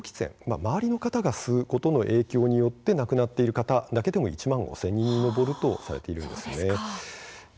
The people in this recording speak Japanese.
周りの方が吸うことの影響によって亡くなっている方だけでも１万５０００人に上るとされているんです。